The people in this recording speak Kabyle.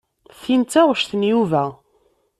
Tin d taɣect n Yuba.